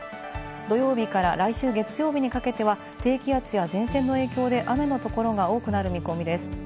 土曜日から来週月曜日にかけては低気圧や前線の影響で雨の所が多くなる見込みです。